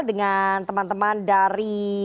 dengan teman teman dari